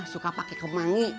suka pake kemangi